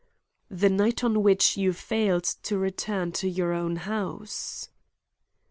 "The night on which you failed to return to your own house."